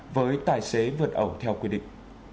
với tài xế vượt ẩu theo quy định